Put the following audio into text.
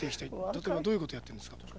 例えばどういうことをやってるんですか？